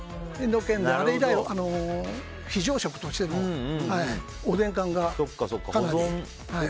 あれ以来、非常食としてのおでん缶がかなり。